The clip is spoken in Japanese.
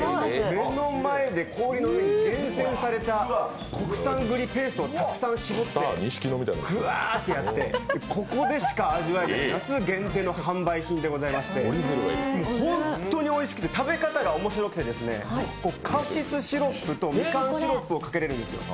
目の前で氷の上に厳選された国産くりペーストを絞ってぐわーってやって、ここでしか味わえない夏限定の販売品でございまして、ホントにおいしくて、食べ方が面白くてですね、カシスシロップとみかんシロップ、かけられるんです。